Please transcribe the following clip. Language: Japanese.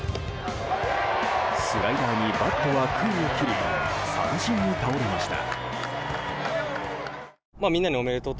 スライダーにバットは空を切り三振に倒れました。